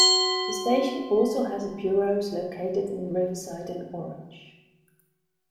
The station also has bureaus located in Riverside and Orange.